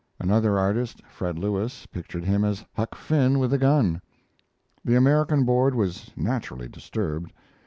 Another artist, Fred Lewis, pictured him as Huck Finn with a gun. The American Board was naturally disturbed.